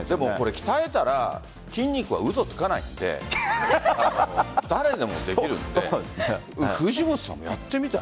鍛えたら筋肉は嘘つかないので誰でもできるので藤本さんもやってみたら？